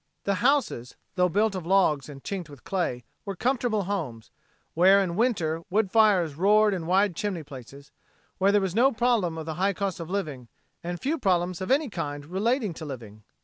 The houses tho built of logs and chinked with clay were comfortable homes, where in winter wood fires roared in wide chimney places, where there was no problem of the high cost of living and few problems of any kind relating to living.